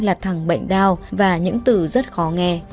là thằng bệnh đau và những từ rất khó nghe